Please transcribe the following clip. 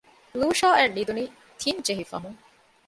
ލޫޝާއަށް ނިދުނީ ތިން ޖެހިފަހުން